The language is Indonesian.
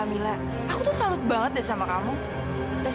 pertunjukannya sangat bagus